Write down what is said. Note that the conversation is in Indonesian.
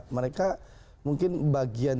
mereka mungkin bagian